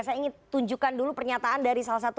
saya ingin tunjukkan dulu pernyataan dari salah satu